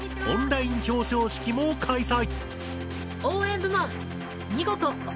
オンライン表彰式も開催。